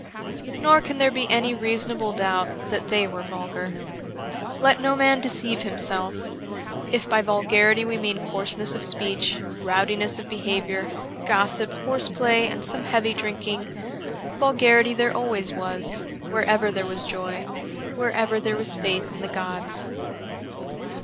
Nor can there be any reasonable doubt that they were vulgar. Let no man deceive himself; if by vulgarity we mean coarseness of speech, rowdi ness of behaviour, gossip, horseplay, and some heavy drinking : vulgarity there always was, wherever there was joy, wherever there was faith in the gods.